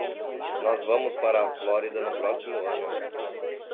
Nós vamos para a Flórida no próximo ano.